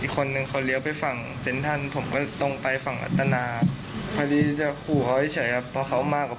อีกคนนึงเขาเลี้ยวไปฝั่งเซ็นทันผมก็ตรงไปฝั่งอัตตานาครับ